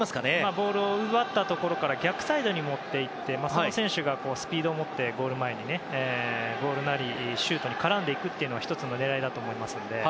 ボールを奪ったところから逆サイドに持っていってその選手がスピードを持ってゴール前でボールなりシュートに絡んでいくのが１つの狙いだと思いますので。